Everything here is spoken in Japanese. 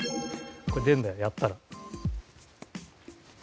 これ出るんだよねやったら。